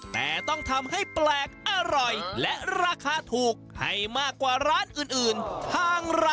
แต่ต้องทำให้แปลกอร่อยและราคาถูกให้มากกว่าร้านอื่น